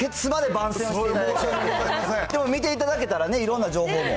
でも見ていただけたらね、いろんな情報も。